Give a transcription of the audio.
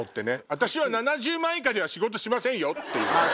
私は７０万以下では仕事しませんよっていうね。